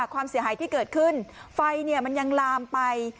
ความเสียหายที่เกิดขึ้นไฟมันยังลามไป